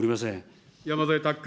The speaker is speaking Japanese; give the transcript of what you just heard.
山添拓君。